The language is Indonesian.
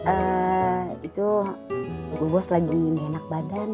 ee itu bapak bos lagi menyenang badan